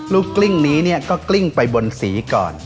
รูปกลิ้งนี้ก็กลิ้งไปบนสีก่อน